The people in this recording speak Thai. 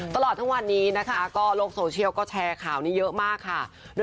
ตลอดทั้งวันนี้นะคะก็โลกโซเชียลก็แชร์ข่าวนี้เยอะมากค่ะ